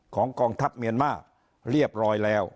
กองทัพเมียนมาร์เรียบร้อยแล้ว